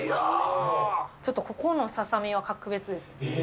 ちょっと、ここのささみは格別ですね。